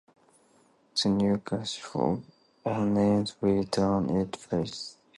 The new classification of names will be done in phases.